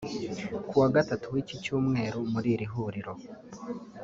Kuwa Gatatu w’iki cyumweru muri iri huriro